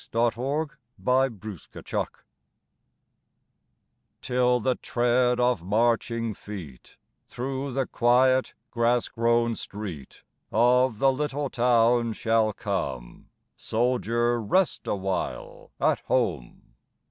A SONG OF TRUCE Till the tread of marching feet Through the quiet grass grown street Of the little town shall come, Soldier, rest awhile at home.